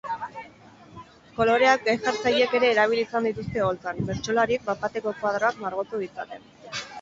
Koloreak gai-jartzaileek ere erabili izan dituzte oholtzan, bertsolariek bapateko koadroak margotu ditzaten.